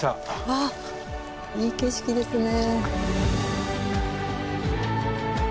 わあいい景色ですね。